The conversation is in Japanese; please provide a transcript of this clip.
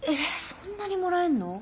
そんなにもらえんの？